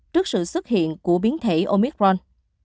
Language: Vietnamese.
trước sự xuất hiện của biến thể omicron